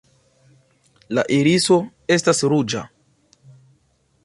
La iriso estas ruĝa.